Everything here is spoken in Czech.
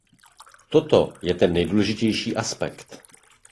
Toto je ten nejdůležitější aspekt.